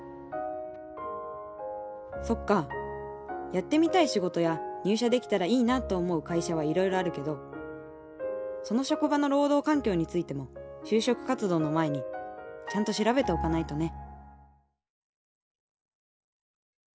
やってみたい仕事や入社できたらいいなと思う会社はいろいろあるけどその職場の労働環境についても就職活動の前にちゃんと調べておかないとね。